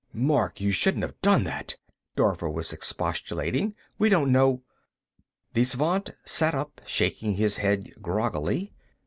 "Mark, you shouldn't have done that," Dorver was expostulating. "We don't know...." The Svant sat up, shaking his head groggily.